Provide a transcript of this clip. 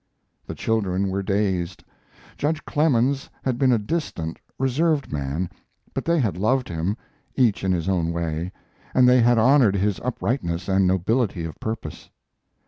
The children were dazed. Judge Clemens had been a distant, reserved man, but they had loved him, each in his own way, and they had honored his uprightness and nobility of purpose.